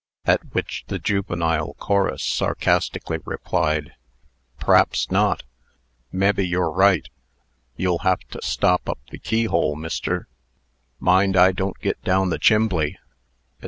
At which the juvenile chorus sarcastically replied, "P'r'aps not;" "Mebbe you're right," "You'll have to stop up the keyhole, Mister;" "Mind I don't get down the chimbley," &c.